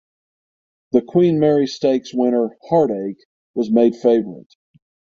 The Queen Mary Stakes winner Heartache was made favourite.